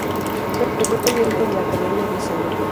Fue miembro de la Accademia di San Luca.